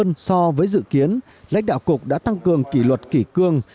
để đạt được số thu sớm hơn so với dự kiến lãnh đạo cục đã tăng cường kỷ luật kỷ cương